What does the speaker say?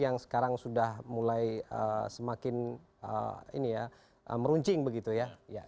yang sekarang sudah mulai semakin meruncing begitu ya